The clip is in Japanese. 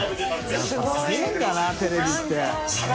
やっぱすげぇんだなテレビって。